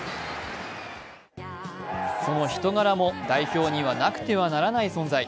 その人柄も代表にはなくてはならない存在。